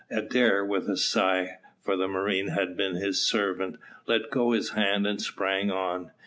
Adair with a sigh, for the marine had been his servant, let go his hand and sprang on.